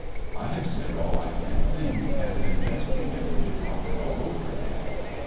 I have said all I can think, and am just beginning to talk it all over again.